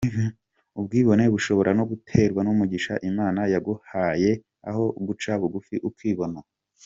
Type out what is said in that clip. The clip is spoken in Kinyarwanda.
Ubwibone bushobora no guterwa n’umugisha Imana yaguhaye aho guca bugufi ukibona.